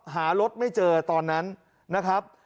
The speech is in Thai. หารถไม่เจอตอนนั้นนะครับ